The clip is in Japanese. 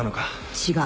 違う。